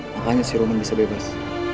makanya si roman bisa bebas